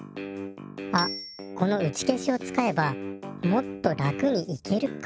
あっこのうちけしを使えばもっと楽に行けるかも。